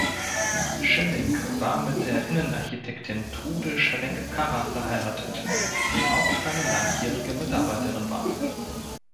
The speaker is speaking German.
Schelling war mit der Innenarchitektin Trude Schelling-Karrer verheiratet, die auch seine langjährige Mitarbeiterin war.